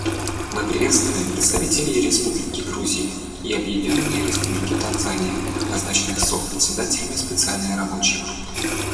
Мы приветствуем представителей Республики Грузия и Объединенной Республики Танзания, назначенных сопредседателями Специальной рабочей группы.